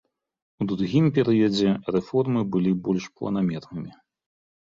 У другім перыядзе рэформы былі больш планамернымі.